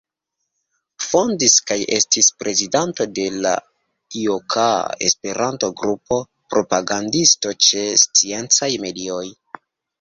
Fondis kaj estis prezidanto de l' loka Esperanto-grupo; propagandisto ĉe sciencaj medioj.